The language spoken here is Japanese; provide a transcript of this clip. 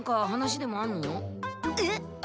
えっ？